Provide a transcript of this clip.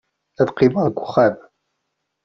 Ad qqimeɣ deg uxxam.